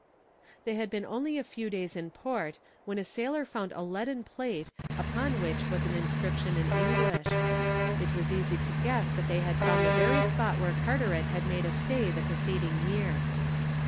They had been only a few days in port, when a sailor found a leaden plate upon which was an inscription in English. It was easy to guess that they had found the very spot where Carteret had made a stay the preceding year.